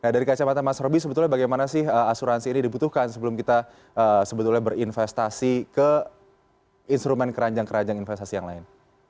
dari kacamata mas roby sebetulnya bagaimana sih asuransi ini dibutuhkan sebelum kita sebetulnya berinvestasi ke instrumen keranjang keranjang investasi yang lain